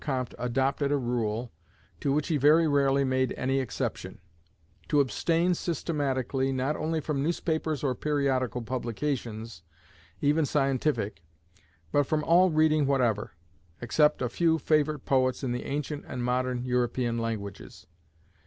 Comte adopted a rule, to which he very rarely made any exception: to abstain systematically, not only from newspapers or periodical publications, even scientific, but from all reading whatever, except a few favourite poets in the ancient and modern European languages.